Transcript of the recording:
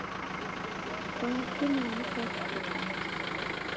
kwaki namuka kukupata?